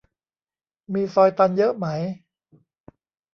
มีซอยตันเยอะไหม